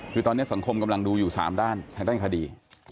คือตอนนี้สังคมกำลังดูอยู่๓ด้านทางด้านคดี